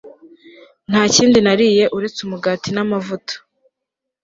Nta kindi nariye uretse umugati namavuta